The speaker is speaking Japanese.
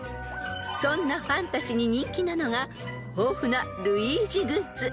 ［そんなファンたちに人気なのが豊富なルイージグッズ